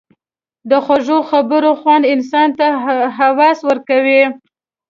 د خوږو خبرو خوند انسان ته هوس ورکوي.